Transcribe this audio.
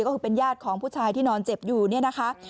ก็คือเป็นญาติของผู้ชายที่นอนเจ็บอยู่เนี่ยนะคะ